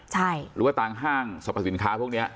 ใช่หรือว่าทางห้างสรรพสินค้าพวกนี้